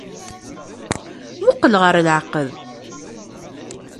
Muqqel ɣer leɛqed.